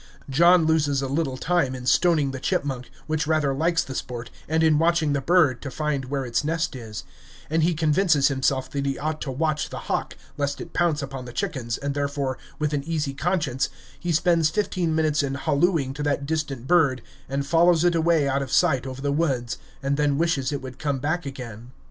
John loses a little time in stoning the chipmunk, which rather likes the sport, and in watching the bird, to find where its nest is; and he convinces himself that he ought to watch the hawk, lest it pounce upon the chickens, and therefore, with an easy conscience, he spends fifteen minutes in hallooing to that distant bird, and follows it away out of sight over the woods, and then wishes it would come back again.